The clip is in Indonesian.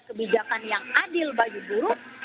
kebijakan yang adil bagi buruh